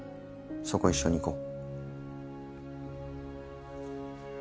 そこ一緒に行こう。